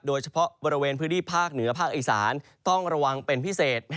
โดยเฉพาะบริเวณพื้นที่ภาคเหนือภาคอีสานต้องระวังเป็นพิเศษ